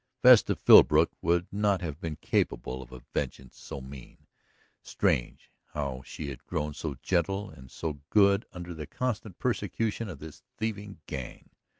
Vesta Philbrook would not have been capable of a vengeance so mean. Strange how she had grown so gentle and so good under the constant persecution of this thieving gang!